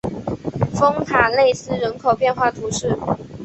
丰塔内斯人口变化图示